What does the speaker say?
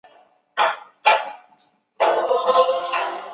白马薹草为莎草科薹草属下的一个种。